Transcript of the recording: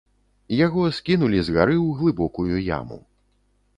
Яго скінулі з гары ў глыбокую яму.